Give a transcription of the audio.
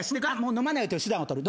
飲まないという手段を取る。